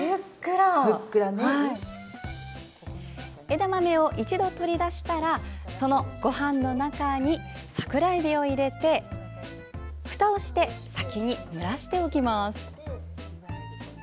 枝豆を一度、取り出したらそのごはんの中に桜えびを入れてふたをして先に蒸らしておきます。